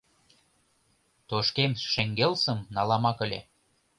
Тошкем шеҥгелсым наламак ыле.